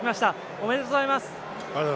ありがとうございます。